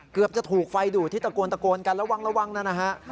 เกือบจะถูกไฟดูดที่ตะโกนกันระวังนะฮะ